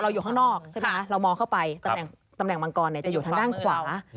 อยู่ข้างนอกใช่ไหมคะเรามองเข้าไปตำแหน่งมังกรจะอยู่ทางด้านขวา